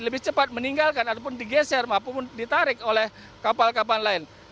lebih cepat meninggalkan ataupun digeser maupun ditarik oleh kapal kapal lain